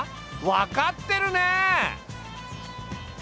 分かってるねえ！